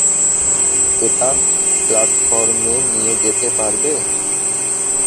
এটা প্ল্যাটফর্মে নিয়ে যেতে পারবে?